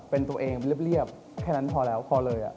เป็นตัวเองเรียบแค่นั้นพอแล้วพอเลย